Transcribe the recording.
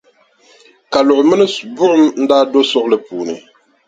Kaluɣi mini buɣum n-daa do suɣuli puuni.